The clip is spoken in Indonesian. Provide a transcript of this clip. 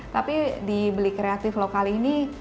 tapi di beli kreatif lokal ini